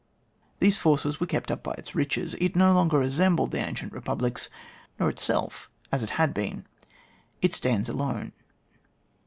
These forces were kept up by its riches; it no longer resembled the ancient republics, nor itself as it had been ; it stands alone.